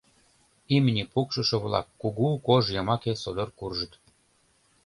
Имне пукшышо-влак кугу кож йымаке содор куржыт.